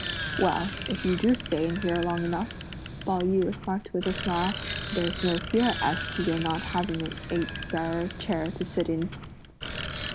"Well, if you do stay in here long enough," Pao yü remarked with a smile, "there's no fear as to your not having an eight bearer chair to sit in!"